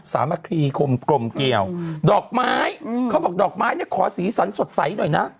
สามัคคีกลมกลมเกี่ยวดอกไม้เขาบอกดอกไม้เนี่ยขอสีสันสดใสหน่อยนะ